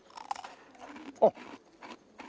あっ。